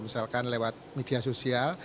misalkan lewat media sosial